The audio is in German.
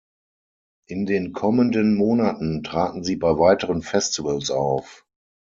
In den kommenden Monaten traten sie bei weiteren Festivals auf.